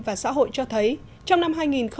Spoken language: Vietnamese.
và xã hội cho thấy trong năm